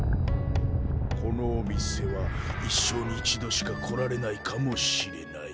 このお店は一生に一度しか来られないかもしれない。